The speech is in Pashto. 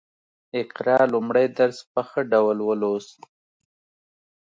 اقرا لومړی درس په ښه ډول ولوست